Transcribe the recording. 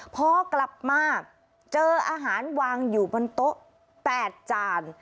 พอกลับมาเจออาหารวางอยู่บนโต๊ะ๘จาน